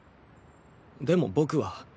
でも僕は。